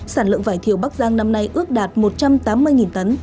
sản lượng vải thiều bắc giang năm nay ước đạt một trăm tám mươi tấn